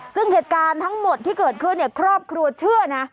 ซึ่งเหตุการณ์ทั้งหมดที่เกิดขึ้นเนี่ยครอบครัวเชื่อนะ